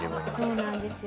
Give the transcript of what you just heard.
そうなんですよ。